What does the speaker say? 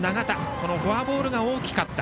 このフォアボールが大きかった。